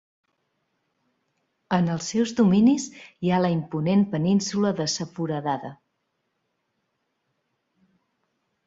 En els seus dominis hi ha la imponent península de Sa Foradada.